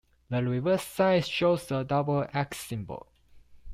The reverse side shows a double-axe symbol.